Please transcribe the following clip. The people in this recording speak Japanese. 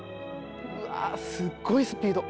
うわすっごいスピード。